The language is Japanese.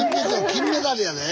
金メダルやで。